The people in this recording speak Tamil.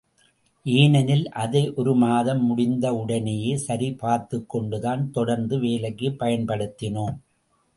ஏனெனில் அதை ஒரு மாதம் முடிந்தவுடனேயே சரிபார்த்துக் கொண்டுதான் தொடர்ந்து வேலைக்குப் பயன்படுத்தினோம்.